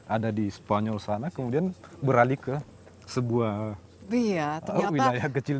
ada di spanyol sana kemudian beralih ke sebuah wilayah kecil